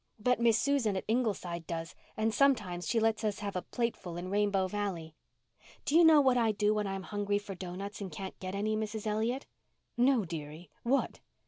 But Miss Susan at Ingleside does, and sometimes she lets us have a plateful in Rainbow Valley. Do you know what I do when I'm hungry for doughnuts and can't get any, Mrs. Elliott?" "No, dearie. What?"